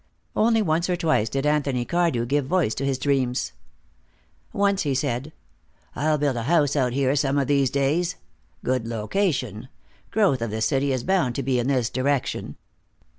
Only once or twice did Anthony Cardew give voice to his dreams. Once he said: "I'll build a house out here some of these days. Good location. Growth of the city is bound to be in this direction."